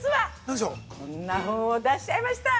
こんな本を出しちゃいました！